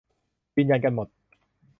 ยืนยันกันหมด